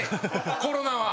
コロナは。